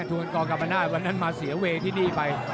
ทวนกองกับมะนาดวันนั้นมาเสียเวที่นี่ไป